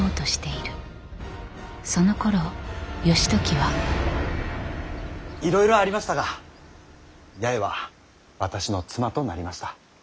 いろいろありましたが八重は私の妻となりました。